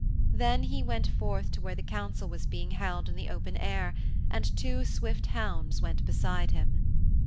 Then he went forth to where the Council was being held in the open air, and two swift hounds went beside him.